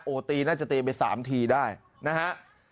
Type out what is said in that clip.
ตีน่าจะตีไป๓ทีได้นะฮะ